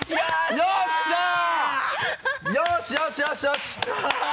よしよし。